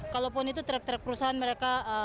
kalaupun itu trek trek perusahaan mereka